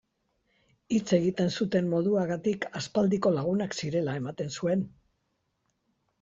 Hitz egiten zuten moduagatik aspaldiko lagunak zirela ematen zuen.